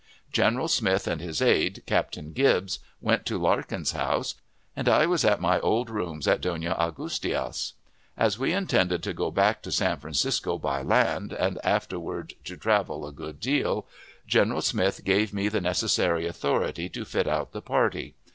General Smith and his aide, Captain Gibbs, went to Larkin's house, and I was at my old rooms at Dona Augustias. As we intended to go back to San Francisco by land and afterward to travel a good deal, General Smith gave me the necessary authority to fit out the party.